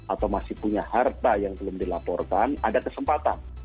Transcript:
atau masih punya harta yang belum dilaporkan ada kesempatan